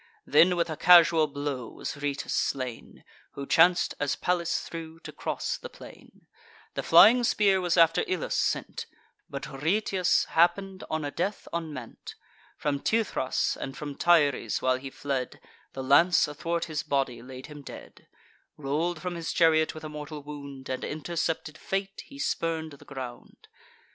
Then, with a casual blow was Rhoeteus slain, Who chanc'd, as Pallas threw, to cross the plain: The flying spear was after Ilus sent; But Rhoeteus happen'd on a death unmeant: From Teuthras and from Tyres while he fled, The lance, athwart his body, laid him dead: Roll'd from his chariot with a mortal wound, And intercepted fate, he spurn'd the ground.